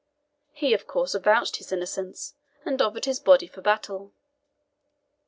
He, of course, avouched his innocence, and offered his body for battle.